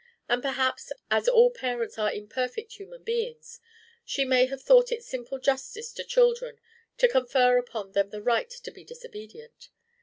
And perhaps, as all parents are imperfect human beings, she may have thought it simple justice to children to confer upon them the right to be disobedient.